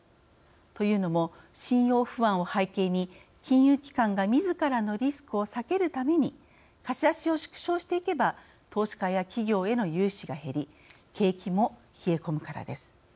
というのも、信用不安を背景に金融機関がみずからのリスクを避けるために貸し出しを縮小していけば投資家や企業への融資が減り景気も冷え込むからです。